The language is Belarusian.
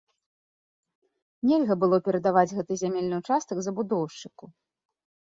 Нельга было перадаваць гэты зямельны участак забудоўшчыку.